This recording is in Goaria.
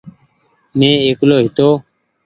مينٚ اڪيلو هيتو